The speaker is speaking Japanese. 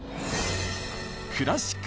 「クラシックＴＶ」